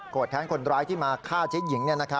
แค้นคนร้ายที่มาฆ่าเจ๊หญิง